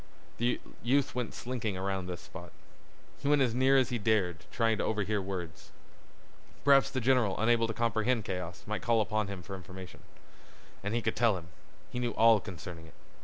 The youth went slinking around this spot. He went as near as he dared trying to overhear words. Perhaps the general, unable to comprehend chaos, might call upon him for information. And he could tell him. He knew all concerning it.